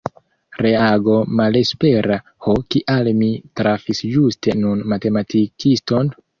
Reago malespera: Ho kial mi trafis ĝuste nun matematikiston?